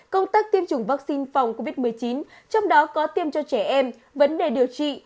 công tác tiêm chủng vaccine phòng covid một mươi chín trong đó có tiêm cho trẻ em vấn đề điều trị